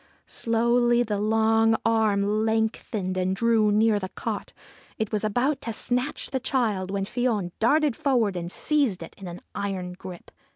Slowly the long arm lengthened and drew near the cot. It was about to snatch the child, when Fion darted forward and seized it in an iron grip.